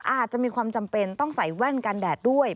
อาจจะมีความจำเป็นต้องใส่แว่นกันแดดด้วย